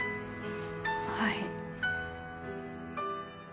はい。